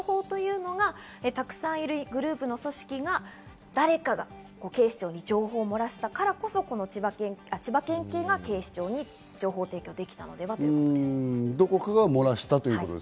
その情報というのが、沢山いるグループの組織が誰かが警視庁に情報を漏らしたからこそ、千葉県警が警視庁に情報提供できたのではないかということです。